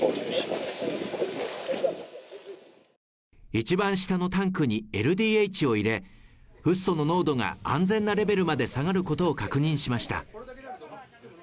一番下のタンクにＬＤＨを入れ、フッ素の濃度が安全なレベルまで下がることを確認しました。